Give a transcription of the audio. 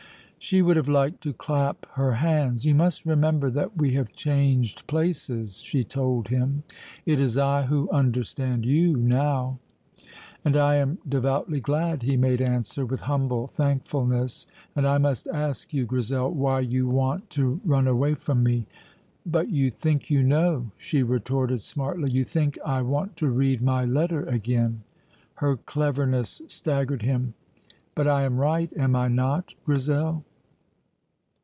She would have liked to clap her hands. "You must remember that we have changed places," she told him. "It is I who understand you now." "And I am devoutly glad," he made answer, with humble thankfulness. "And I must ask you, Grizel, why you want to run away from me." "But you think you know," she retorted smartly. "You think I want to read my letter again!" Her cleverness staggered him. "But I am right, am I not, Grizel?"